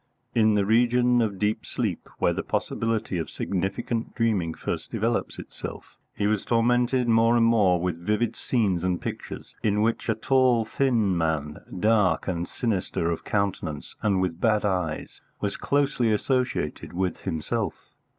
In the region of deep sleep, where the possibility of significant dreaming first develops itself, he was tormented more and more with vivid scenes and pictures in which a tall thin man, dark and sinister of countenance, and with bad eyes, was closely associated with himself.